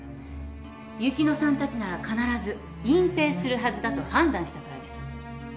雪乃さんたちなら必ず隠蔽するはずだと判断したからです。